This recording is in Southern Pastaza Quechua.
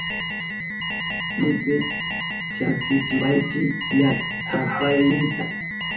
Intipi chakichipaychi llachapaynita.